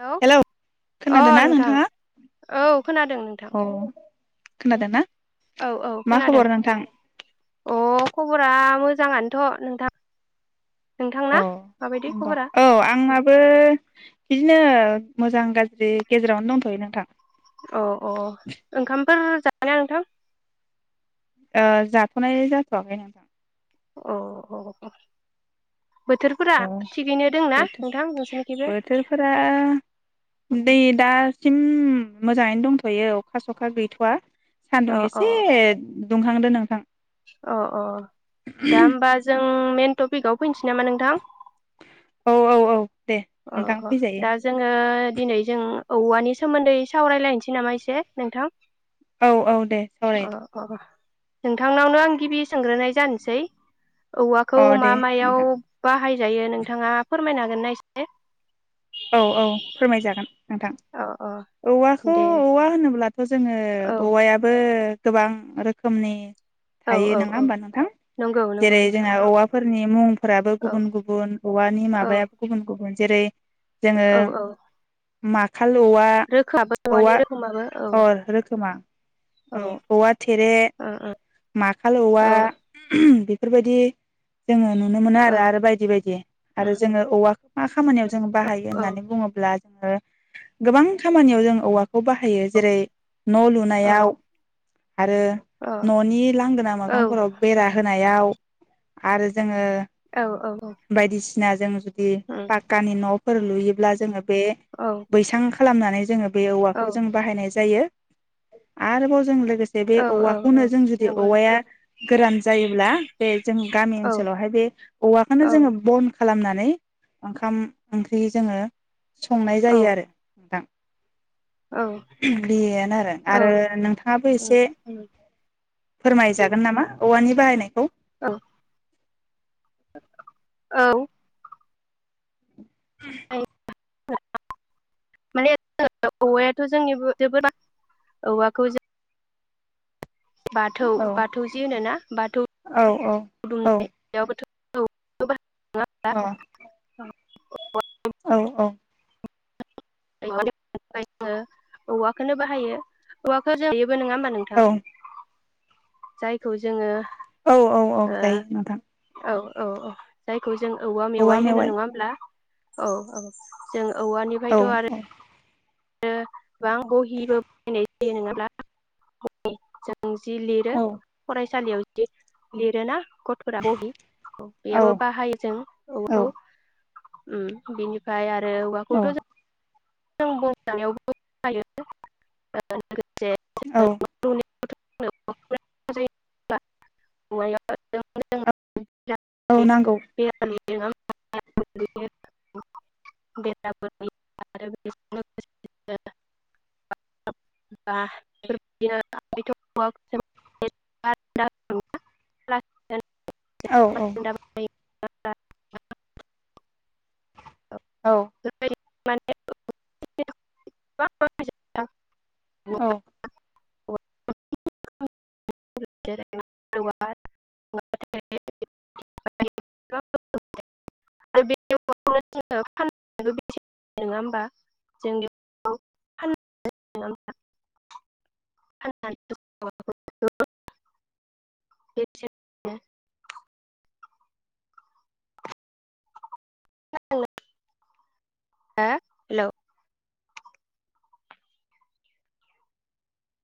हेल hello अ खोनादोंना नोंथां नोंथाङा? औ खोनादों नोंथां खोनादोंना औ औ मा खोनादों खबर नोंथां? अ खबरा मोजाङानोथ नोंथां औ नोंथांना माबायदि नंगौ खबरा औ आंहाबो बिदिनो मोजां गाज्रि गेजेरावनो दंथयो नोंथां अ अ ओंखामफोर जानो नोंथां ओ जाथनाय जाथवाखै नोंथां अ अ बोथोरफोरा औ थिगैनो दंना नोंथां बोथोर नोंसोरनिखैबो बोथोरफोरा दै दासिम उम मोजाङैनो दंथयो अखा सखा गैथ आ सान्दुं अ अ एसे दुंखांदो नोंथां अ अ दा होमबा जों मेन टपिकआव फैनोसै नामा नोंथां औ औ औ दे अ नोंथां अ फैजायो दा जोङो दिनै जों औवानि सोमोन्दै सावरायलायनोसै नामा एसे नोंथां औ औ दे अ सावराय अ नोंथांनावनो आं गिबि सोंग्रोनाय जानोसै अ औवाखौ दे मा मायाव नोंथां बाहायो जायो नोंथाङा फोरमायनो हागोन ना एसे औ औ फोरमायजागोन नोंथां औ औ औवाखौ दे औवा होनोब्ला थ जोङो औ औवायाबो गोबां रोखोमनि औ थायो औ नोङा औ होमबा नोंथां नंगौ नंगौ जेरै नोंथां जोंना औवाफोरनि मुंफोराबो औ गुबुन गुबुन औवानि औ माबायाबो गुबुन गुबुन जेरै औ औ माग माखाल औवा रोखोमाबो औवानि औवा रोखोमाबो औ अ रोखोमा औ औवा थेरे औ माखाल औवा औ बेफोरबायदि जोङो नु नुनो मोनो औ आरो बायदि बायदि आरो उम जोङो औवा मा खामानियाव जों बाहायो औ होननानै बुङोब्ला जोङो गोबां खामानियाव जों औवा खौ बाहायो औ जेरै न औ लुनायाव आरो अ ननि लांगोना औ मोखांफोराव बेरा होनाय हायाव आरो जोङो औ औ औ [unintelligible] [unintelligible] उम पाकानि न फोर लुयोब्ला जोङो बे औ बैसां खालामनानै जोङो बे औवाखौ औ जों बाहायनाय जायो आरोबाव जों लोगोसे बे औ औ औ औवाखौनो जों जुदि नंगौ औवाया नोंथां गोरान जायोब्ला बे जों गामि औ ओनसोलावहाय बे औवाखौनो औ जोङो बन खालामनानै ओंखाम ओंख्रि जोङो संनाय औ जायो आरो नोंथां औ [inaudible] बेयानो आरो आरो नोंथाङाबो उम एसे उम फोरमायजागोन नामा औवानि बाहायनायखौ औ औ [unintelligible] माने औवायाथ जोंनिबो जोबोद औवाखौ जों बाथौ औ बाथौजि होनोना बाथौ औ अ औ [unintelligible] औ [unintelligible] [unintelligible] [unintelligible] औ औ [unintelligible] औवाखौनो बाहायो औवाखौ जों बो नङा होमबा औ नोंथां जायखौ जोङो औ औ औ ओ जायो नोंथां औ औ जायखौ जों औवा मेवाइ होनो नङा होमब्ला औ औ जों औ औवानिफायथ आरो आरो गोबां बहिबो बायनाय जायो नङाब्ला [unintelligible] जि लिरो औ फरायसालियाव दि लिरोना गथरा बहि बेयावबो बाहायो जों औ औवाखौ उम बिनिफाय आ ओवाखौथ' जों जों औ [unintelligible] [unintelligible] [unintelligible] औ नांगौ [unintelligible] [unintelligible] औ औ [unintelligible] औ [unintelligible] औ [unintelligible] [unintelligible] [unintelligible] [inaudible] हेल